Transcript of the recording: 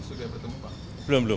sudah bertemu pak